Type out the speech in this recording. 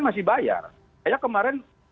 masih bayar kayak kemarin